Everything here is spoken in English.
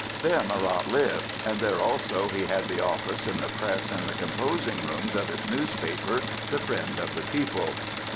There Marat lived, and there also he had the office and the press and composing rooms of his newspaper, "The Friend of the People."